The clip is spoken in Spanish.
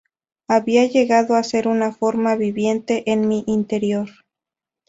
Había llegado a ser una forma viviente en mi interior".